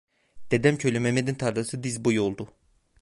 Dedemköylü Mehmet'in tarlası diz boyu oldu.